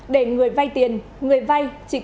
để người vay tiền người vay chỉ cần tải ứng dụng chất ma túy